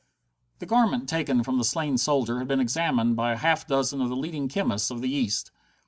The garment taken from the slain soldier had been examined by a half dozen of the leading chemists of the East.